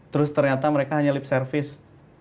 terus ternyata mereka hanya lip service